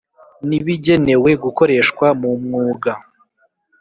N ibigenewe gukoreshwa mu mwuga